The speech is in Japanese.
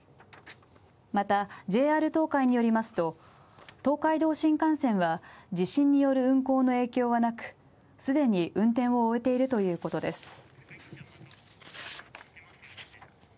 またＪＲ東海によりますと、東海道新幹線は地震による運行の影響はなく、既に運転を終えているということです。